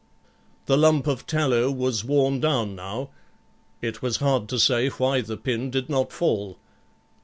The lump of tallow was worn down now; it was hard to say why the pin did not fall.